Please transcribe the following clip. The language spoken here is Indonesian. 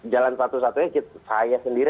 jalan satu satunya saya sendiri